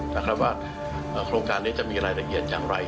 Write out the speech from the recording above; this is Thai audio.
นะครับว่าโครงการนี้จะมีรายละเอียดอย่างไร